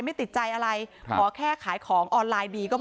ไม่ติดใจอะไรขอแค่ขายของออนไลน์ดีก็พอ